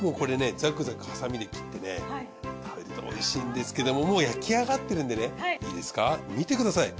ザクザクハサミで切ってね食べるとおいしいんですけどももう焼き上がってるんでねいいですか見てください。